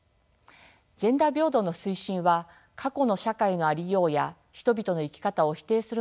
ジェンダー平等の推進は過去の社会のありようや人々の生き方を否定するものではありません。